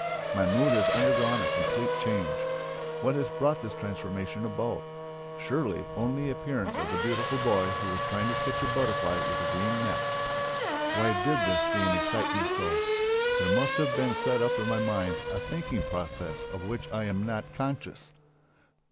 My mood has undergone a complete change. What has brought this transformation about? Surely, only the appearance of the beautiful boy who was trying to catch a butterfly with his green net. Why did this scene excite me so? There must have been set up in my mind a thinking process of which I was not conscious.